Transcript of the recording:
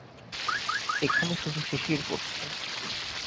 এখানে শুধু শিশির পড়ছে!